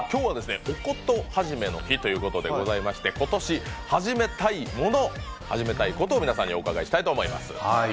御事始めの日ということでございまして今年始めたいもの始めたいことを皆さんにお伺いしたいと思います。